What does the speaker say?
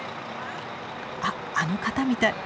あっあの方みたい。